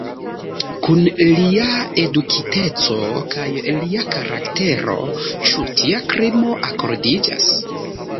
Kun lia edukiteco kaj lia karaktero ĉu tia krimo akordiĝas?